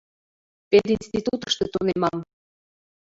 Пединститутышто тунемам.